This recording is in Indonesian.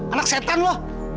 anak setan lu